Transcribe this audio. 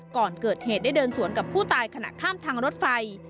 ก่อนเกิดเหตุได้เดินสวนกับผู้ตายขณะข้ามทางรถไฟ